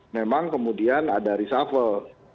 memang kemudian ada risafel